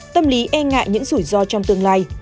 tâm lý e ngại những rủi ro trong tương lai